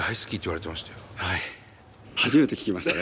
初めて聞きましたね。